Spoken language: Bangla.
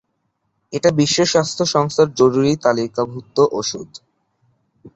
এটা বিশ্ব স্বাস্থ্য সংস্থার জরুরি তালিকাভুক্ত ওষুধ।